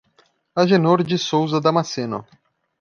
Agenor de Souza Damasceno